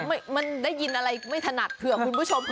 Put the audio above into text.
เพราะมันได้ยินอะไรไม่ถนัดเผื่อคุณผู้ชมเผลอ